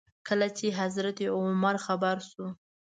کله چې حضرت عمر خبر شو.